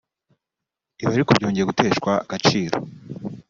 Ibi ariko byongeye guteshwa agaciro